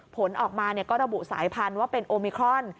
ผลออกมาก็ระบุสายพันธุ์ว่าเป็นโอมิครอน